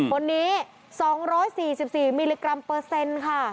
คนนี้๒๔๔มิลลิกรัมเปอร์เซ็นต์ค่ะ